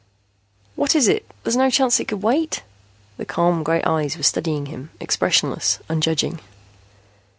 "What is it? There's no chance it could wait?" The calm gray eyes were studying him, expressionless, unjudging.